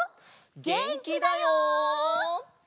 げんきだよ！